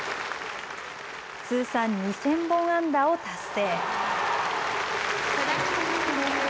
通算２０００本安打を達成。